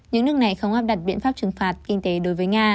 những nước này không áp đặt biện pháp trừng phạt kinh tế đối với nga